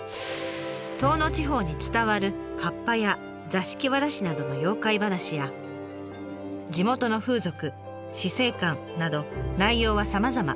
遠野地方に伝わるかっぱや座敷わらしなどの妖怪話や地元の風俗死生観など内容はさまざま。